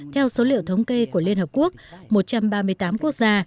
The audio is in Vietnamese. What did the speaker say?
theo số liệu thống kê của liên hợp quốc một trăm ba mươi tám quốc gia